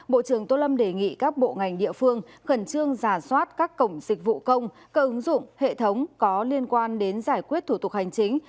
bộ trưởng tô lâm đề nghị các bộ ngành địa phương khẩn trương giả soát các cổng dịch vụ công cơ ứng dụng hệ thống có liên quan đến giải quyết thủ tục hành chính